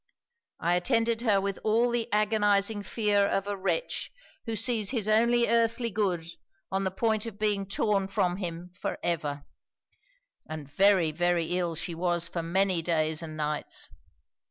I attended her with all the agonizing fear of a wretch who sees his only earthly good on the point of being torn from him for ever; and very, very ill she was for many days and nights.